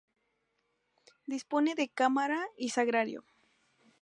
Dispone de cámara y sagrario.